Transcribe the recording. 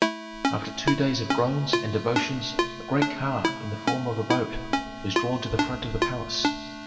After two days of groans and devotions a great car in the form of a boat was drawn to the front of the palace.